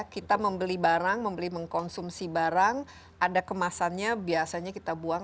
kita membeli barang membeli mengkonsumsi barang ada kemasannya biasanya kita buang